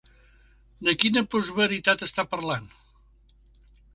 De quina postveritat està parlant?